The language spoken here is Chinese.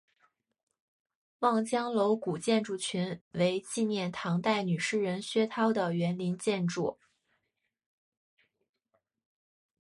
望江楼古建筑群为纪念唐代女诗人薛涛的园林建筑。